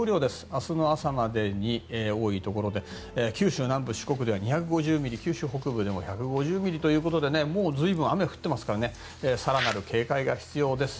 明日の朝までに多いところで九州南部、四国では２５０ミリ九州北部でも１５０ミリということでもう随分、雨が降ってますから更なる警戒が必要です。